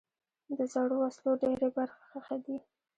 د زړو وسلو ډېری برخې ښخي دي.